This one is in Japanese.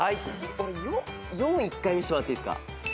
俺４１回見せてもらっていいっすか？